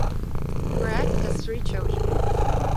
Greg has three children.